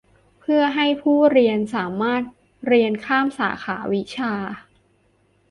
เพื่อให้ผู้เรียนสามารถเรียนข้ามสาขาวิชา